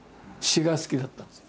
詩が好きだったんです。